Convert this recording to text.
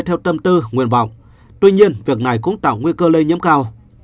theo tâm tư nguyện vọng tuy nhiên việc này cũng tạo nguy cơ lây nhiễm cao